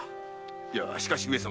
いやしかし上様。